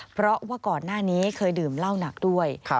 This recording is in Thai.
เพราะว่าก่อนหน้านี้เคยดื่มเหล้าหนักด้วย